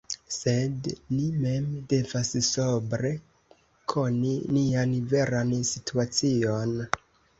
Sed ni mem devas sobre koni nian veran situacion.